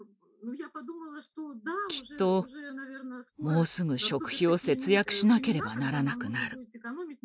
「きっともうすぐ食費を節約しなければならなくなる。